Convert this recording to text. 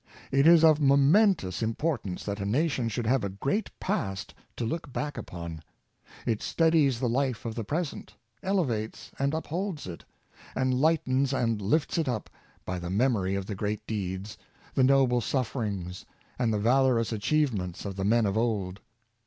It is of momentous importance that a nation should have a great past to look back upon. It steadies the life of the present, elevates and upholds it, and lightens and lifts it up, by the memory of the great deeds, the noble sufferings, and the valorous achievements of the men of old.